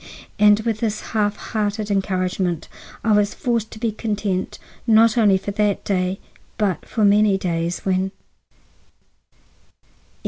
And with this half hearted encouragement I was forced to be content, not only for that day, but for many days, when— XI.